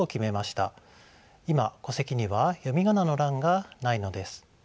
今戸籍には読み仮名の欄がないのです。